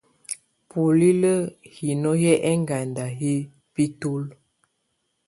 Bulilǝ́ hino hɛ́ ɛŋganda yɛ́ bǝ́tulǝ́.